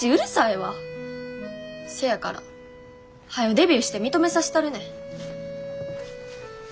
せやからはよデビューして認めさせたるねん。